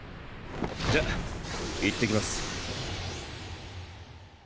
じゃ行ってきます。